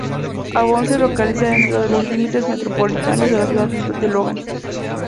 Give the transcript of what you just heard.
Avon se localiza dentro de los límites metropolitanos de la ciudad de Logan.